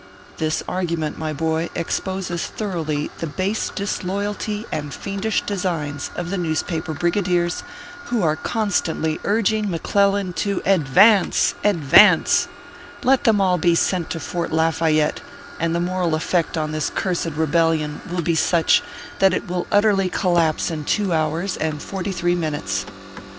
This argument, my boy, exposes thoroughly the base disloyalty and fiendish designs of the newspaper brigadiers who are constantly urging McClellan to advance advance ! Let them all be sent to Fort Lafayette, and the moral effect on this cursed rebel lion will be such that it will utterly collapse in two hours and forty three minutes.